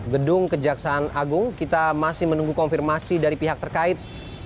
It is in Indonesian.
gedung kejaksaan agung kita masih menunggu konfirmasi dari pihak terkait